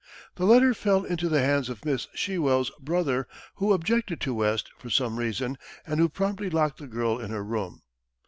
The letter fell into the hands of Miss Shewell's brother, who objected to West for some reason, and who promptly locked the girl in her room.